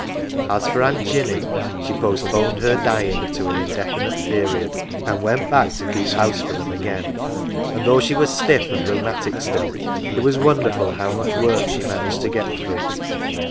As for Aunt Jinny, she postponed her dying to an indefinite period, and went back to keep house for them again. And though she was stiff* and rheumatic still, it was won derful how much work she managed to get through.